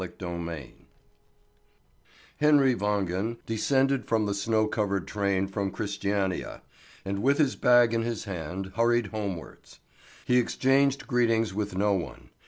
CHAPTER IV HENRY WANGEN descended from the snow covered train from Christiania, and with his bag in his hand hurried homewards. He exchanged greetings with no one.